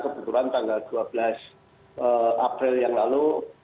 tentu saja tanggal dua belas april yang lalu